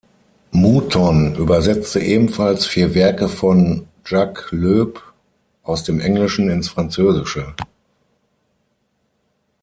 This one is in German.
Mouton übersetzte ebenfalls vier Werke von Jacques Loeb aus dem Englischen ins Französische.